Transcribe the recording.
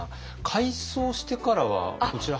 改装してからはこちら。